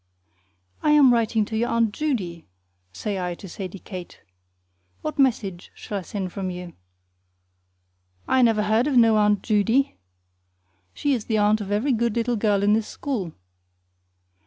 "I am writing to your Aunt Judy," say I to Sadie Kate. "What message shall I send from you?" "I never heard of no Aunt Judy." "She is the aunt of every good little girl in this school."